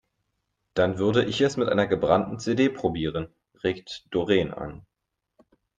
Dann würde ich es mit einer gebrannten CD probieren, regt Doreen an.